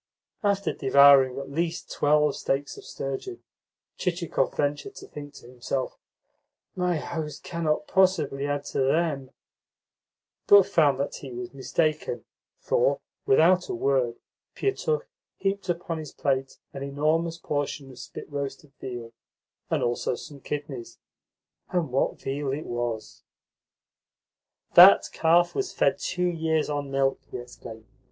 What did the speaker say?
After devouring at least twelve steaks of sturgeon, Chichikov ventured to think to himself, "My host cannot possibly add to THEM," but found that he was mistaken, for, without a word, Pietukh heaped upon his plate an enormous portion of spit roasted veal, and also some kidneys. And what veal it was! "That calf was fed two years on milk," he explained.